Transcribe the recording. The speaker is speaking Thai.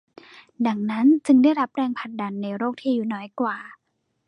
ดังนั้นจึงได้รับแรงผลักดันในโลกที่อายุน้อยกว่า